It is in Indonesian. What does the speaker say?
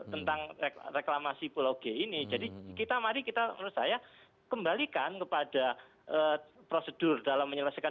tentang reklamasi pulau g ini jadi kita mari kita menurut saya kembalikan kepada prosedur dalam menyelesaikan